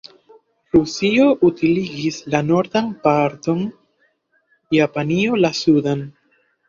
Rusio utiligis la nordan parton, Japanio la sudan.